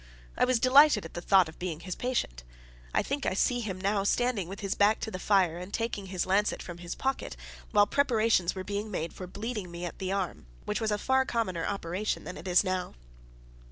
I was delighted at the thought of being his patient. I think I see him now standing with his back to the fire, and taking his lancet from his pocket, while preparations were being made for bleeding me at the arm, which was a far commoner operation then than it is now.